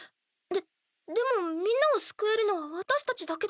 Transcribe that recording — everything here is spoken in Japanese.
ででもみんなを救えるのは私たちだけだって。